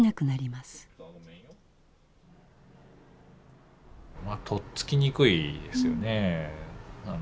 まあとっつきにくいですよね。